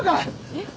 えっ？